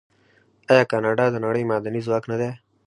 آیا کاناډا د نړۍ معدني ځواک نه دی؟